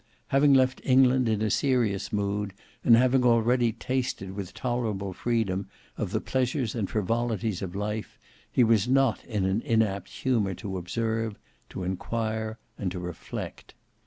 Having left England in a serious mood, and having already tasted with tolerable freedom of the pleasures and frivolities of life, he was not in an inapt humour to observe, to enquire, and to reflect.